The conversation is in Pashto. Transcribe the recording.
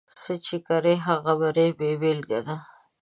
څه چې کرې، هغه به رېبې بېلګه ده.